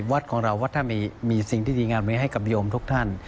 วัดของเราวัดท่านมีสิ่งที่ดีงามนี้ให้กับโยมทุกท่าน